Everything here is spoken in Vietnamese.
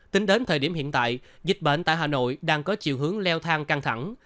tính đến thời điểm hiện tại dịch bệnh tại hà nội đang có chiều hướng leo thang căng thẳng